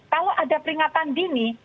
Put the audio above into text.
kalau ada peringatan dini